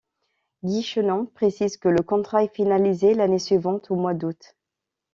Guichenon précise que le contrat est finalisé l'année suivante au mois d'août.